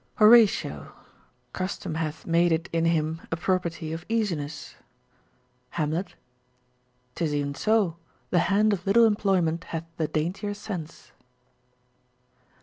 Horatio. Custom hath made it in him a property of easiness. Hamlet. 'Tis e'en so : the hand of little employment hath the daintier sense.